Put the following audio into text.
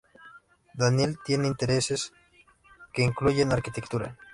Daniele tenía intereses que incluyen arquitectura.